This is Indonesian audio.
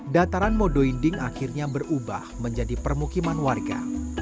dataran modo inding akhirnya berubah menjadi permukiman warga